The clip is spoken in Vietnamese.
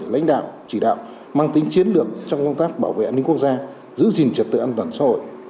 lãnh đạo chỉ đạo mang tính chiến lược trong công tác bảo vệ an ninh quốc gia giữ gìn trật tự an toàn xã hội